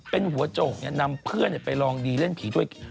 เป็นหัวโจกนำเพื่อนไปลองดีเล่นผีด้วย